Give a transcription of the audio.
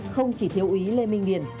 không chỉ thiếu ý lê minh điển